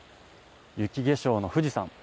雪化粧の富士山。